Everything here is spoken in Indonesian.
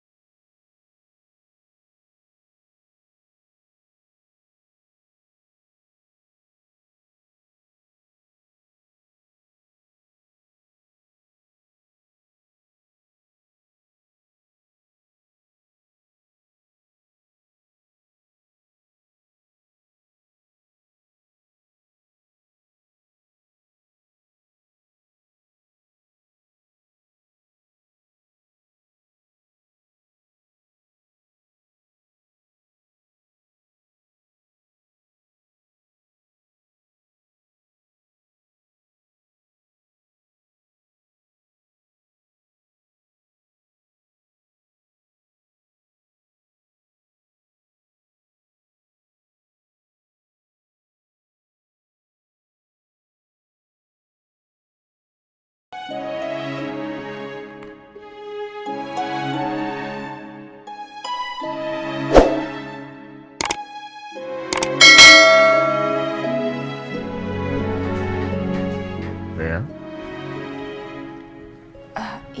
tidak ada lagi